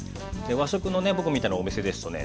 和食のね僕みたいなお店ですとね